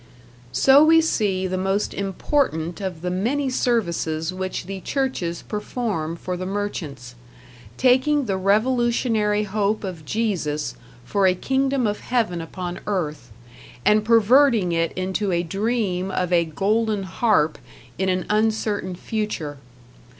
So we see the most important of the many services which the churches perform for the merchants taking the revolutionary hope of Jesus, for a kingdom of heaven upon earth, and perverting it into a dream of a golden harp in an uncertain future.